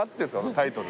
タイトル。